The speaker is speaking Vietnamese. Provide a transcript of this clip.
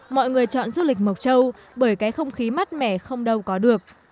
mọi người chọn du lịch mộc châu bởi cái không khí mát mẻ không đâu có được